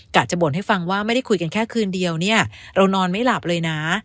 กะจะบ่นให้ฟังว่าไม่ได้คุยกันแค่คืนเดียวเนี่ยเรานอนไม่หลับเลยนะ